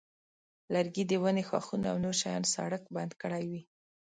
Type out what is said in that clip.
لرګي د ونې ښاخونه او نور شیان سړک بند کړی وي.